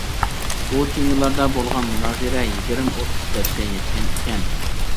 بۇ تېمىلاردا بولغان مۇنازىرە يىگىرمە ئوتتۇز بەتكە يەتكەن ئىكەن.